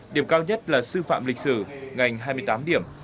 điểm cao nhất là sư phạm lịch sử ngành hai mươi tám điểm